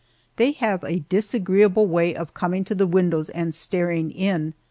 They have a disagreeable way of coming to the windows and staring in.